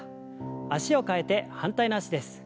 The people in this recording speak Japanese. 脚を替えて反対の脚です。